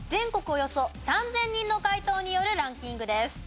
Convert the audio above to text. およそ３０００人の回答によるランキングです。